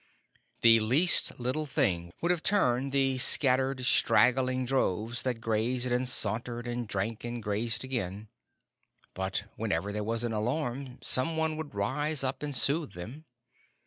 The least little thing would have turned the scattered, straggling droves that grazed and sauntered and drank and grazed again; but whenever there was an alarm some one would rise up and soothe them.